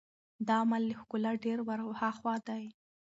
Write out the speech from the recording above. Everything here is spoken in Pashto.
دا عمل له ښکلا ډېر ور هاخوا دی.